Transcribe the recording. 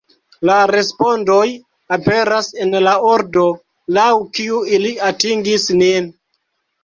La respondoj aperas en la ordo laŭ kiu ili atingis nin.